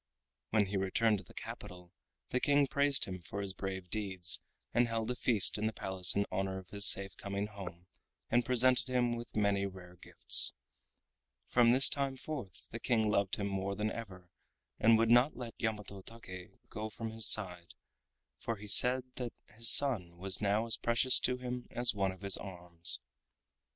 When he returned to the capital the King praised him for his brave deeds, and held a feast in the Palace in honor of his safe coming home and presented him with many rare gifts. From this time forth the King loved him more than ever and would not let Yamato Take go from his side, for he said that his son was now as precious to him as one of his arms.